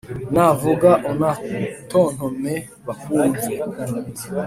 Nuvuga unatontome bakumve